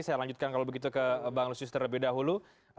saya lanjutkan kalau begitu ke bang lusius terlebih dahulu